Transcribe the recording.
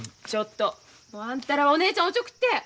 ちょっとあんたらお姉ちゃんおちょくって！